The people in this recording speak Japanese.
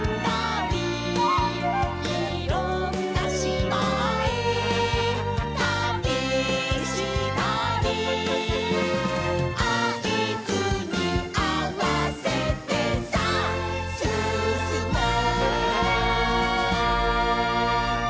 「いろんなしまへたびしたり」「あいずにあわせて、さあ、すすもう」